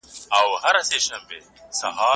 ستا د سترګو رپ ته به مي ژوند نذرانه کړی وي